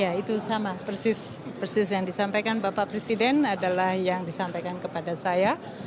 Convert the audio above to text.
ya itu sama persis yang disampaikan bapak presiden adalah yang disampaikan kepada saya